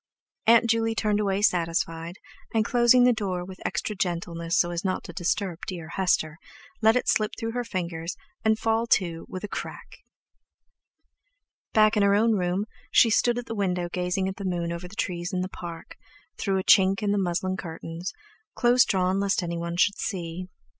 Aunt Juley turned away satisfied, and closing the door with extra gentleness so as not to disturb dear Hester, let it slip through her fingers and fall to with a "crack." Back in her own room, she stood at the window gazing at the moon over the trees in the Park, through a chink in the muslin curtains, close drawn lest anyone should see.